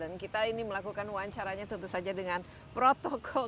dan kita ini melakukan wawancaranya tentu saja dengan protokol